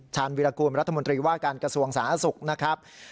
วิรากูลรัฐมนตรีว่าการกระทรวงสาธารณสุขนะครับ